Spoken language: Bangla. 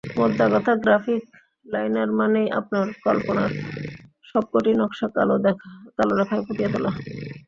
মোদ্দা কথা, গ্রাফিক লাইনার মানেই—আপনার কল্পনার সবকটি নকশা কালো রেখায় ফুটিয়ে তোলা।